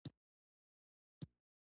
ارشاد الفقراء نېکبختي کتاب دﺉ.